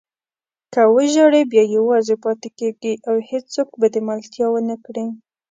که وژاړې بیا یوازې پاتې کېږې او هېڅوک به دې ملتیا ونه کړي.